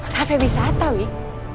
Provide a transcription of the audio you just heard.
cafe bisata wih